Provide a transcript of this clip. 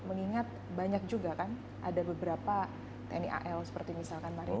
mengingat banyak juga kan ada beberapa tni al seperti misalkan mariti